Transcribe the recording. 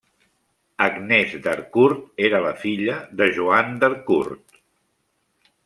Agnès d'Harcourt era la filla de Joan d'Harcourt.